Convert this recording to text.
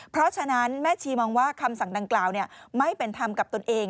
เพราะฉะนั้นแม่ชีมองว่าคำสั่งดังกล่าวไม่เป็นธรรมกับตนเอง